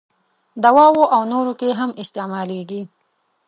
دواوو او نورو کې هم استعمالیږي.